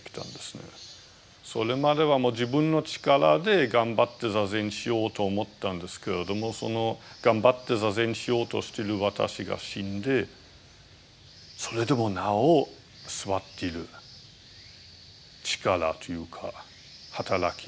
それまでは自分の力で頑張って坐禅しようと思ったんですけれどもその頑張って坐禅しようとしてる私が死んでそれでもなお坐っている力というか働き。